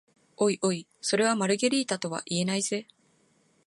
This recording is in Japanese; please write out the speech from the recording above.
おいおい、それはマルゲリータとは言えないぜ？